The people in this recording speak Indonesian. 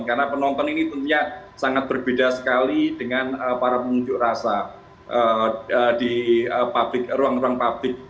karena penonton ini tentunya sangat berbeda sekali dengan para pengunjuk rasa di ruang ruang publik